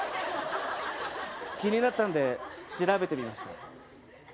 気になったんで調べてみました。